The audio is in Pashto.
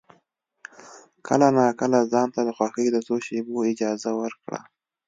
کله ناکله ځان ته د خوښۍ د څو شېبو اجازه ورکړه.